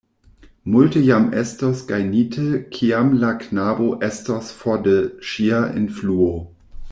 Multe jam estos gajnite, kiam la knabo estos for de ŝia influo.